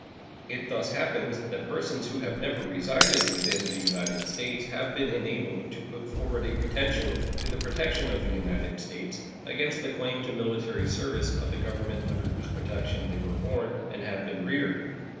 It thus happens that persons who have never resided within the United States have been enabled to put forward a pretension to the protection of the United States against the claim to military service of the government under whose protection they were born and have been reared.